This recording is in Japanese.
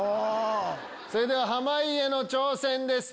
それでは濱家の挑戦です